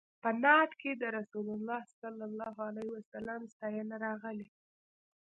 په نعت کې د رسول الله صلی الله علیه وسلم ستاینه راغلې.